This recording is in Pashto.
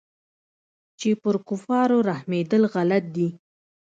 چې پر كفارو رحمېدل غلط دي.